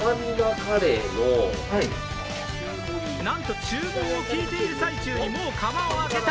なんと注文を聞いている最中にもう釜を開けた。